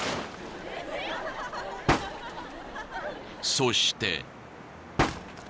［そして］